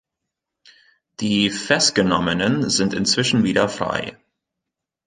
Die Festgenommenen sind inzwischen wieder frei.